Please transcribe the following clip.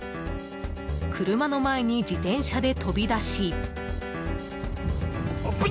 車の前に自転車で飛び出し。